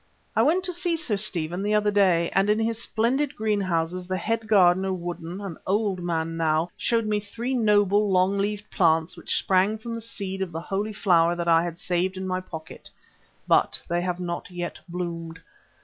I went to see Sir Stephen the other day, and in his splendid greenhouses the head gardener, Woodden, an old man now, showed me three noble, long leaved plants which sprang from the seed of the Holy Flower that I had saved in my pocket. But they have not yet bloomed.